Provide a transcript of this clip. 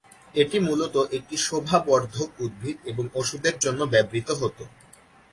এটি মূলত একটি শোভাবর্ধক উদ্ভিদ এবং ওষুধের জন্য ব্যবহৃত হত।